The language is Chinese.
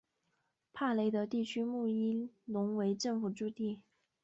帕雷德地区穆伊隆为政府驻地。